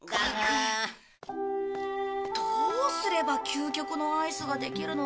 どうすれば究極のアイスができるのかな。